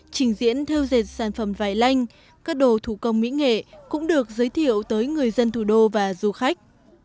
trình diễn theo dệt sản phẩm vải lanh các đồ thủ công mỹ nghệ cũng được giới thiệu tới người dân thủ đô và du khách